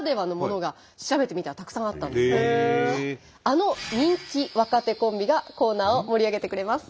あの人気若手コンビがコーナーを盛り上げてくれます。